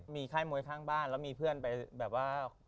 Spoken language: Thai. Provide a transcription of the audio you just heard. มีค่ายมวยข้างบ้านแล้วมีเพื่อนไปแบบว่า